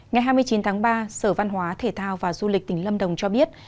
ngày hai mươi chín tháng ba sở văn hóa thể thao và du lịch tỉnh lâm đồng cho biết